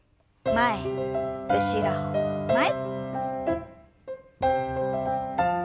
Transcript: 前後ろ前。